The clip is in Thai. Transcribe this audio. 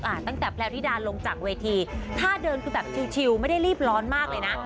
ตั้งแต่แพลวธิดาลงจากเวทีท่าเดินคือแบบชิวไม่ได้รีบร้อนมากเลยนะ